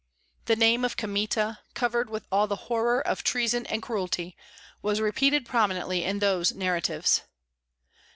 The name of Kmita, covered with all the horror of treason and cruelty, was repeated prominently in those narratives.